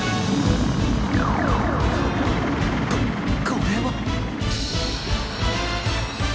ここれは！？